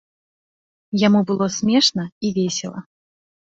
Яму было смешна і весела.